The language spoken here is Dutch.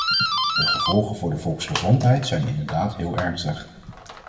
De gevolgen voor de volksgezondheid zijn inderdaad heel ernstig.